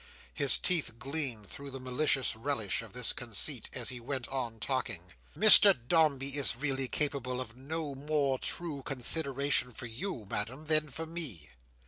His teeth gleamed through his malicious relish of this conceit, as he went on talking: "Mr Dombey is really capable of no more true consideration for you, Madam, than for me.